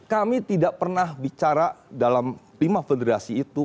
kami tidak pernah bicara dalam lima federasi itu